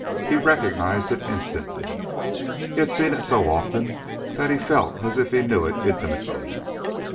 He recognized it instantly. He had seen it so often that he felt as if he knew it intimately.